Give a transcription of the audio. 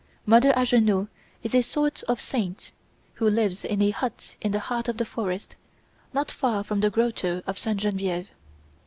Mother Angenoux is a sort of saint, who lives in a hut in the heart of the forest, not far from the grotto of Sainte Genevieve.